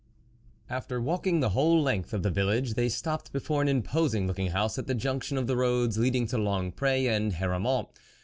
AFTER walking the whole length o the village, they stopped before an imposing looking house at the junction o the roads leading to Longpr6 and Hara niont.